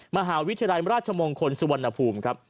มหาวิทยาลัยราชมงคลสุวรรณภูมิครับ